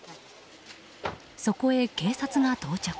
そこへ警察が到着。